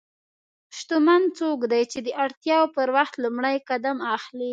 شتمن څوک دی چې د اړتیا پر وخت لومړی قدم اخلي.